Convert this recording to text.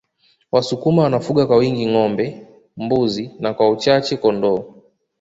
Wasukuma wanafuga kwa wingi ngombe mbuzi na kwa uchache kondoo